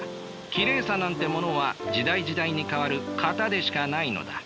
きれいさなんてものは時代時代に変わる型でしかないのだ。